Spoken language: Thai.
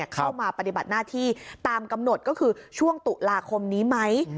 เข้ามาปฏิบัติหน้าที่ตามกำหนดก็คือช่วงตุลาคมนี้ไหม